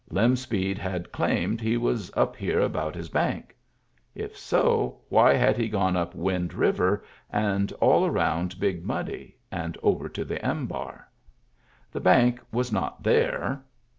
Lem Speed had "claimed" he was up here about his bank. If so, why had he gone up Wind River, and all around Big Muddy, and over to the Embar.? The bank was not there.